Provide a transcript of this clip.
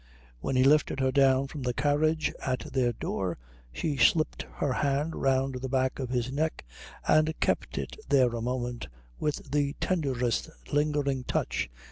When he lifted her down from the carriage at their door she slipped her hand round the back of his neck and kept it there a moment with the tenderest lingering touch.